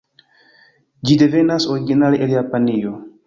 Ĝi devenas originale el Japanio.